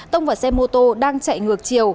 tông và xe mô tô đang chạy ngược chiều